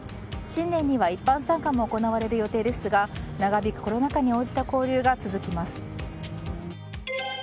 新年には一般参賀も行われる予定ですが長引くコロナ禍に応じた交流が続きます。